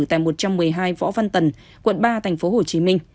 tại một trăm một mươi hai võ văn tần quận ba tp hcm